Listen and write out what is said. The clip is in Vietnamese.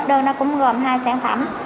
đơn đó cũng gồm hai sản phẩm